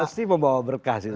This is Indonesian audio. pasti membawa berkah sih